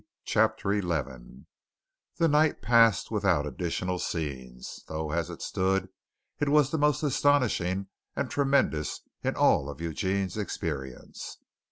CHAPTER XI This night passed without additional scenes, though as it stood it was the most astonishing and tremendous in all Eugene's experience.